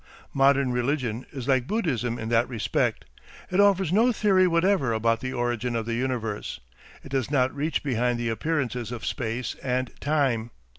Modern religion is like Buddhism in that respect. It offers no theory whatever about the origin of the universe. It does not reach behind the appearances of space and time.